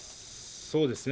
そうですね。